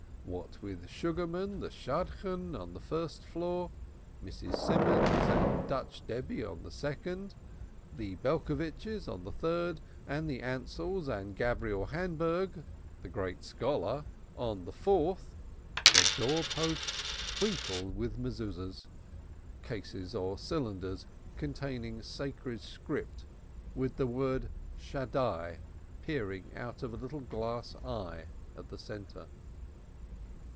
What with Sugarman the Shadchan, on the first floor, Mrs. Simons and Dutch Debby on the second, the Belcovitches on the third, and the Ansells and Gabriel Hamburg, the great scholar, on the fourth, the door posts twinkled with Mezuzahs cases or cylinders containing sacred script with the word Shaddai (Almighty) peering out of a little glass eye at the centre.